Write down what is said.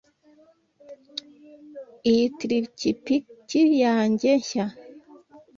Iyi ni trikipiki yanjye nshya.